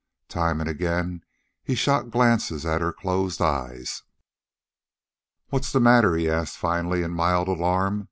Time and again he shot glances at her closed eyes. "What's the matter?" he asked finally, in mild alarm.